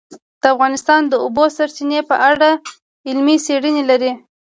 افغانستان د د اوبو سرچینې په اړه علمي څېړنې لري.